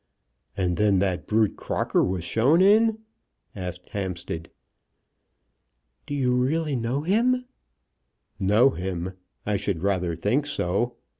"And then that brute Crocker was shown in?" asked Hampstead. "Do you really know him?" "Know him! I should rather think so.